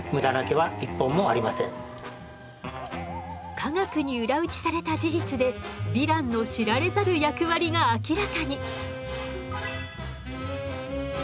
科学に裏打ちされた事実でヴィランの知られざる役割が明らかに。